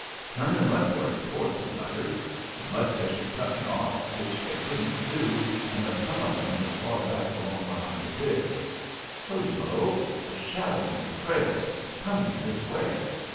"Turn and run for it, of course!" he mutters. "Unless they should cut me off, which they couldn't do unless some of 'em were far back along behind the ridge. Hullo! A shadow on the trail! Coming this way.